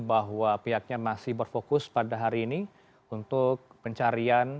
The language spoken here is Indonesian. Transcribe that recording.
bahwa pihaknya masih berfokus pada hari ini untuk pencarian